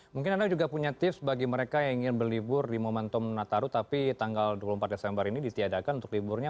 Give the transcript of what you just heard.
mungkin anda juga punya tips bagi mereka yang ingin berlibur di momentum nataru tapi tanggal dua puluh empat desember ini ditiadakan untuk liburnya